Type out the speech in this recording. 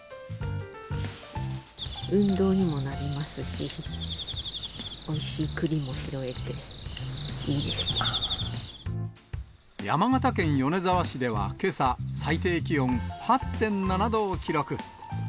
運動にもなりますし、おいしいクリも拾えて、山形県米沢市ではけさ、最低気温８．７度を記録。